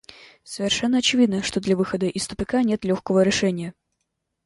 Совершенно очевидно, что для выхода из тупика нет легкого решения.